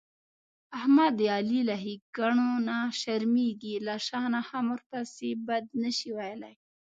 احمد د علي له ښېګڼونه شرمېږي، له شا نه هم ورپسې بد نشي ویلای.